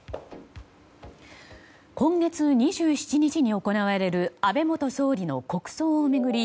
今月２７日に行われる安倍元総理の国葬を巡り